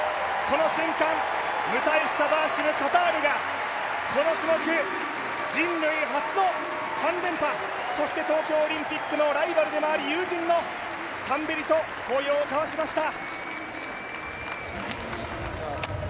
バーシム、カタールがこの種目、人類初の３連覇、そして東京オリンピックのライバルでもあり友人のタンベリと抱擁を交わしました。